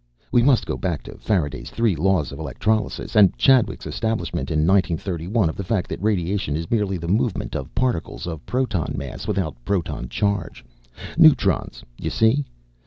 "We must go back to Faraday's three laws of electrolysis and Chadwick's establishment in nineteen thirty one of the fact that radiation is merely the movement of particles of proton mass without proton charge. Neutrons, you see.